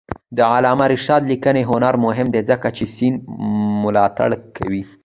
د علامه رشاد لیکنی هنر مهم دی ځکه چې سند ملاتړ کوي.